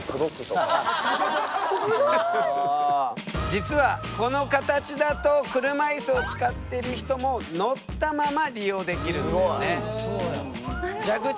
実はこの形だと車いすを使っている人も乗ったまま利用できるんだよね。